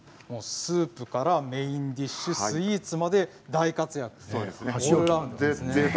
スープからメインディッシュスイーツまで大活躍。